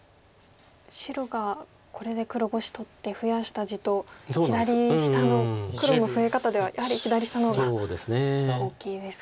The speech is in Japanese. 白がこれで黒５子取って増やした地と左下の黒の増え方ではやはり左下の方が大きいですか。